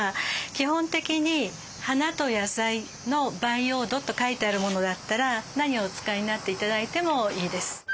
基本的に花と野菜の培養土と書いてあるものだったら何をお使いになって頂いてもいいです。